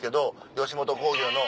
吉本興業の。